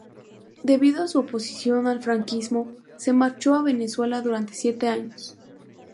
Debido a su oposición al franquismo, se marchó a Venezuela durante siete años.